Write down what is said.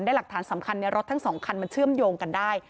หลักฐานสำคัญในรถทั้ง๒คันมันเชื่อมโยงกันได้